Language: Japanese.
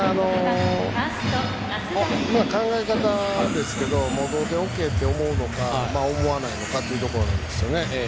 考え方ですけど同点でＯＫと思うのか思わないのかというところですね。